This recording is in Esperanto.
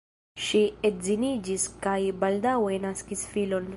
Ŝi edziniĝis kaj baldaŭe naskis filon.